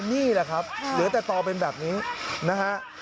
นี่แหละครับเหลือแต่ต่อเป็นแบบนี้นะฮะ